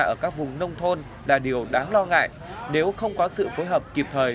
ở các vùng nông thôn là điều đáng lo ngại nếu không có sự phối hợp kịp thời